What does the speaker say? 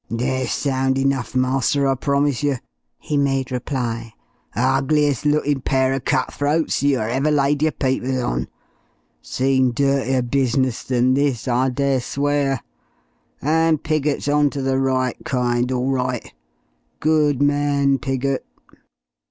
"They're sound enough, master, I promise yer!" he made reply. "Ugliest lookin' pair er cut throats yer ever laid yer peepers on. Seen dirtier business than this, I dare swear. And Piggott's on to the right kind, all right. Good man, Piggott."